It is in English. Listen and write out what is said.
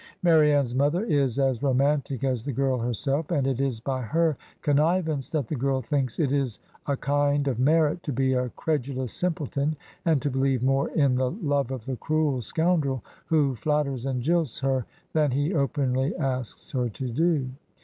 '' Marianne's mother is as romantic as the girl herself, and it is by her connivance that the girl thinks it a kind of merit to be a credulous simpleton, and to believe more in the love of the cruel scoundrel who flatters and jilts her than he openly asks her to do.